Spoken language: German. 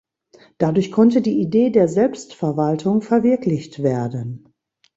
Dadurch konnte die Idee der Selbstverwaltung verwirklicht werden.